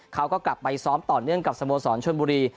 เขาก็กลับไปซ้อมต่อเนื่องกับสโมสรชนบุรี